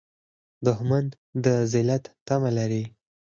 دښمن د ذلت تمه لري